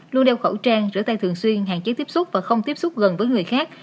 luôn đeo khẩu trang rửa tay thường xuyên hạn chế tiếp xúc và không tiếp xúc gần với người khác